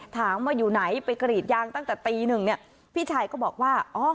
ถามว่าอยู่ไหนไปกรีดยางตั้งแต่ตีหนึ่งเนี่ยพี่ชายก็บอกว่า